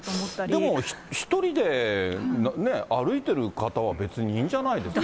でも１人で歩いてる方は別にいいんじゃないんですか。